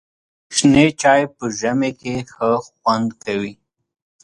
شنې چای په ژمي کې ښه خوند کوي.